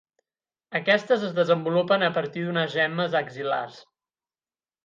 Aquestes es desenvolupen a partir d'unes gemmes axil·lars.